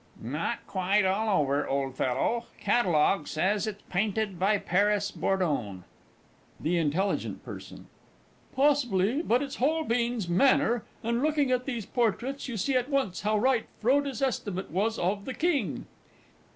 Not quite all over, old fellow. Catalogue says it's painted by Paris Bordone. THE INT. P. Possibly but it's Holbein's manner, and, looking at these portraits, you see at once how right Froude's estimate was of the King.